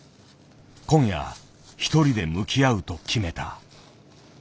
今夜一人で向き合うと決めた。